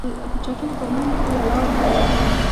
په چټکو ګامونو مې خپله لاره څارله.